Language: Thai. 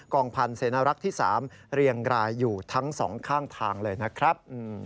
องพันธ์เสนรักษ์ที่๓เรียงรายอยู่ทั้งสองข้างทางเลยนะครับ